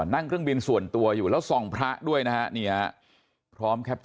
นั่งเครื่องบินส่วนตัวอยู่แล้วส่องพระด้วยนะครับ